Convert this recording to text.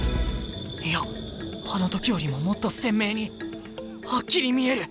いやあの時よりももっと鮮明にはっきり見える！